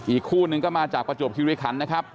อีกคู่นึงก็มาจากประจวบคิริคันนะครับ